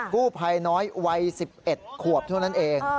กู้ภัยน้อยวัย๑๑ขวบเท่านั้นเอง